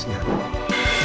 dan menjatuhkan bisnisnya